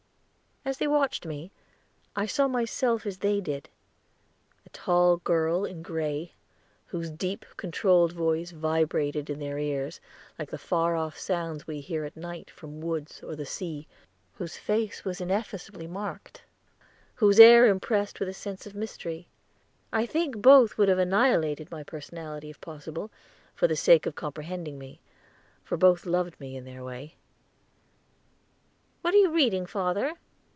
As they watched me, I saw myself as they did. A tall girl in gray, whose deep, controlled voice vibrated in their ears, like the far off sounds we hear at night from woods or the sea, whose face was ineffaceably marked, whose air impressed with a sense of mystery. I think both would have annihilated my personality if possible, for the sake of comprehending me, for both loved me in their way. "What are you reading, father?"